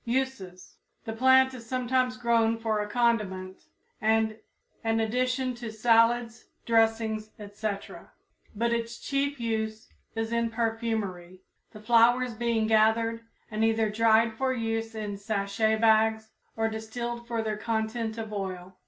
Uses. The plant is sometimes grown for a condiment and an addition to salads, dressings, etc., but its chief use is in perfumery, the flowers being gathered and either dried for use in sachet bags or distilled for their content of oil.